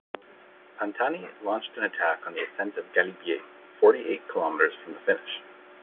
Pantani launched an attack on the ascent of Galibier, forty-eight kilometers from the finish.